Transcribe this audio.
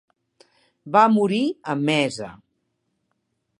Va morir a Mesa.